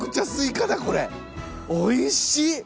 おいしい！